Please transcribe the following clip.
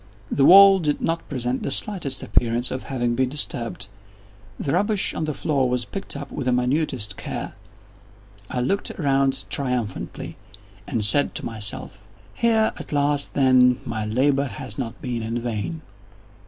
The wall did not present the slightest appearance of having been disturbed. The rubbish on the floor was picked up with the minutest care. I looked around triumphantly, and said to myself: "Here at least, then, my labor has not been in vain."